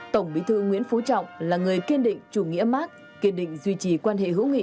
tổng bí thư nguyễn phú trọng là người kiên định chủ nghĩa mark kiên định duy trì quan hệ hữu nghị